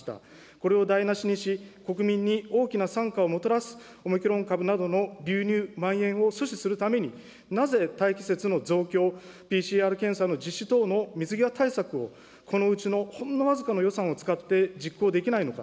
これを台なしにし、国民に大きな惨禍をもたらすオミクロン株などの流入・まん延を阻止するために、なぜ待機施設の増強、ＰＣＲ検査の実施等の水際対策を、このうちのほんの僅かの予算を使って実行できないのか。